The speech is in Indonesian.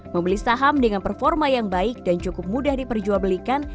membeli saham dengan performa yang baik dan cukup mudah diperjualbelikan